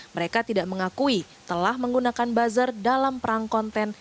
mereka tidak mengakui telah menggunakan buzzer dalam perang konten